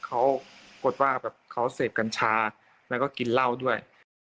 เขากดว่าแบบเขาเสพกัญชาแล้วก็กินเหล้าด้วย